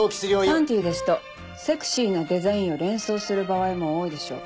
「パンティ」ですとセクシーなデザインを連想する場合も多いでしょう。